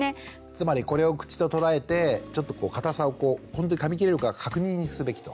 つまりこれを口と捉えてちょっと硬さをこうほんとにかみ切れるか確認すべきと。